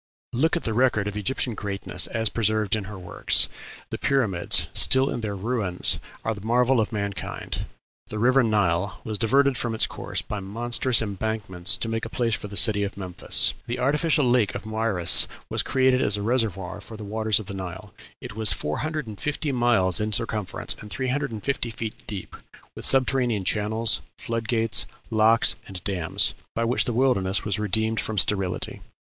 Look at the record of Egyptian greatness as preserved in her works: The pyramids, still in their ruins, are the marvel of mankind. The river Nile was diverted from its course by monstrous embankments to make a place for the city of Memphis. The artificial lake of Moeris was created as a reservoir for the waters of the Nile: it was four hundred and fifty miles in circumference and three hundred and fifty feet deep, with subterranean channels, flood gates, locks, and dams, by which the wilderness was redeemed from sterility.